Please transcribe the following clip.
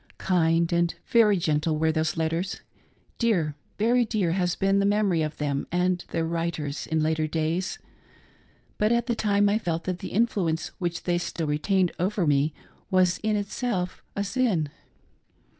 Kind, and very gentle, were those letters. Dear, very dear, has been the memory of them, and of their writers, in Ikter days. But, at the time, I felt that the influence which they still retained' over me was in itself a sin.